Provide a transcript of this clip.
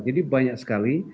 jadi banyak sekali